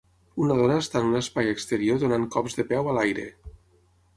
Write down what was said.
Un dona està en un espai exterior donant cops de peu a l"aire.